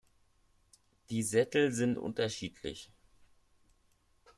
Die Sättel sind unterschiedlich.